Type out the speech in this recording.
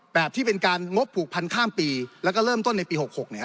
ที่เป็นการงบผูกพันข้ามปีแล้วก็เริ่มต้นในปี๖๖